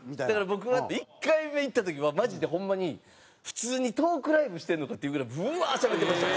僕は１回目行った時はマジでホンマに普通にトークライブしてんのかっていうぐらいブワーッしゃべってました。